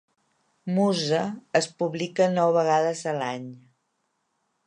"Muse" es publica nou vegades a l'any.